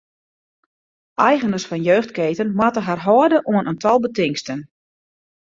Eigeners fan jeugdketen moatte har hâlde oan in tal betingsten.